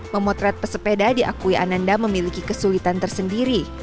memotret pesepeda diakui ananda memiliki kesulitan tersendiri